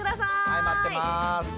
はい待ってます。